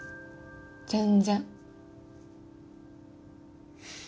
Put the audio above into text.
全然。